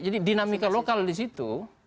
jadi dinamika lokal di situ